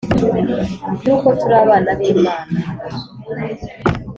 yuko turi abana b'Imana: